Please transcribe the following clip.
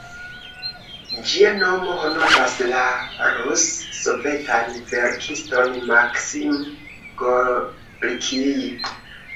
Ĝia nomo honoras la rus-sovetan verkiston Maksim Gorkij.